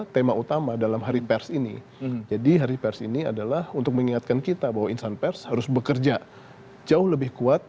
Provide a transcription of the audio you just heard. teman teman personalities f satu dan f dua